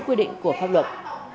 quy định của pháp luật